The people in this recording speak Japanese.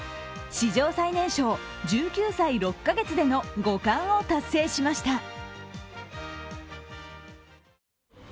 史上最年少１９歳６カ月での五冠を達成しました。